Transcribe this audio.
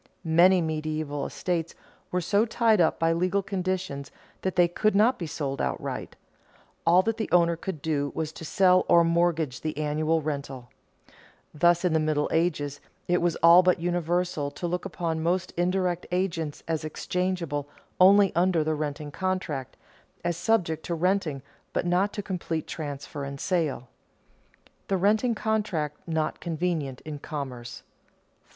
Many medieval estates were so tied up by legal conditions that they could not be sold outright; all that the owner could do was to sell or mortgage the annual rental. Thus, in the Middle Ages, it was all but universal to look upon most indirect agents as exchangeable only under the renting contract, as subject to renting but not to complete transfer and sale. [Sidenote: The renting contract not convenient in commerce] 4.